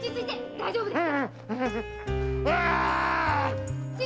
大丈夫です！